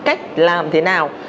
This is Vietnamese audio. cách làm thế nào